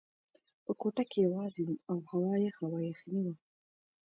په کوټه کې یوازې وم او هوا یخه وه، یخنۍ وه.